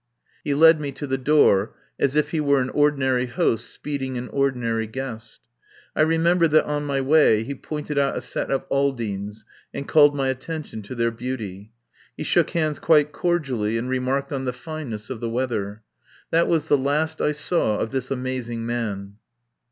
..." He led me to the door as if he were an ordinary host speeding an ordinary guest. I remember that on my way he pointed out a set of Aldines and called my attention to their beauty. He shook hands quite cordially and remarked on the fineness of the weather. That was the last I saw of this amazing man.